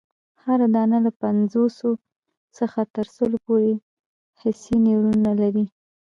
هره دانه له پنځوسو څخه تر سلو پوري حسي نیورونونه لري.